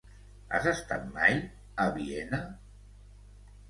Has estat mai a Viena?